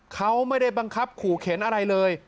เขาไม่ได้บังคับขู่เข็นอะไรเลย